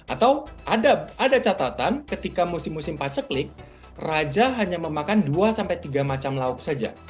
atau ada catatan ketika musim musim paceplik raja hanya memakan dua sampai tiga macam lauk saja